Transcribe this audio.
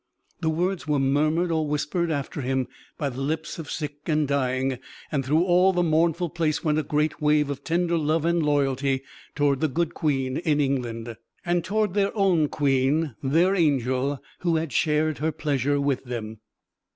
The words were murmured or whispered after him by the lips of sick and dying, and through all the mournful place went a great wave of tender love and loyalty toward the good Queen in England, and toward their own queen, their angel, who had shared her pleasure with them.